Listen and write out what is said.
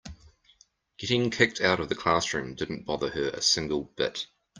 Getting kicked out of the classroom didn't bother her a single bit.